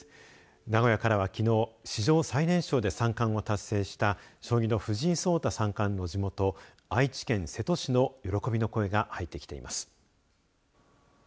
名古屋からはきのう史上最年少で三冠を達成した将棋の藤井聡太三冠の地元愛知県瀬戸市の喜びの声が入ってきています。